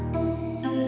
sampai jumpa lagi mams